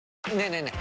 ねえねえ